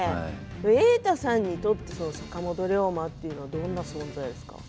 瑛太さんにとって坂本龍馬というのはどんな存在ですか？